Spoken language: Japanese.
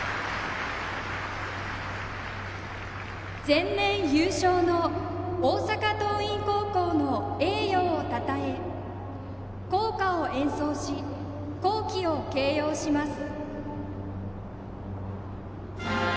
前年優勝の大阪桐蔭高校の栄誉をたたえ校歌を演奏し、校旗を掲揚します。